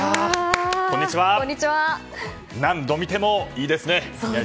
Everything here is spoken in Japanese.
何度見てもいいですね！